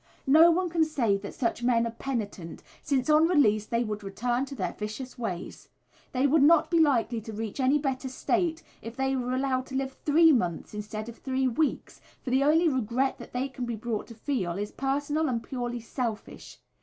No one can say that such men are penitent, since on release they would return to their vicious ways. They would not be likely to reach any better state if they were allowed to live three months instead of three weeks, for the only regret that they can be brought to feel is personal and purely selfish.